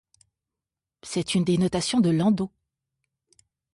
C'est une des notations de Landau.